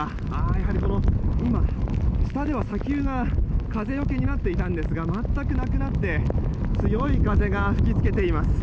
やはり今、下では砂丘が風よけになっていたんですが全くなくなって強い風が吹きつけています。